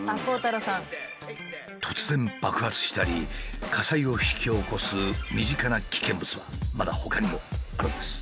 突然爆発したり火災を引き起こす身近な危険物はまだほかにもあるんです。